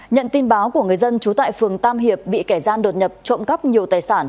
nhận tin báo của người dân trú tại phường tam hiệp bị kẻ gian đột nhập trộm cắp nhiều tài sản